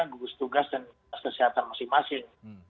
gugus tugas dan kesehatan masing masing